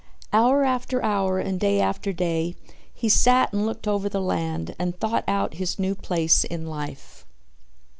Hour after hour and day after day he sat and looked over the land and thought out his new place in life.